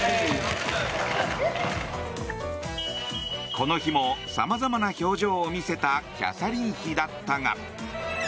この日もさまざまな表情を見せたキャサリン妃だったが。